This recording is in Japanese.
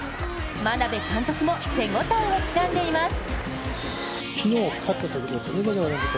眞鍋監督も手応えをつかんでいます。